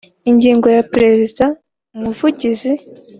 Ingingo ya perezida umuvugizi